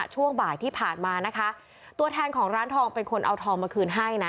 ช่วงบ่ายที่ผ่านมานะคะตัวแทนของร้านทองเป็นคนเอาทองมาคืนให้นะ